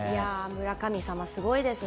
村神様、すごいですね。